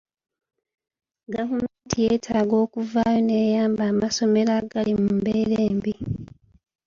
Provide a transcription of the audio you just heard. Gavumenti yeetaaga okuvaayo n'eyamba amasomero agali mu mbeera embi.